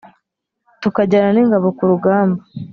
tukajyana n’ingabo ku rugamba